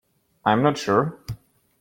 I am not sure.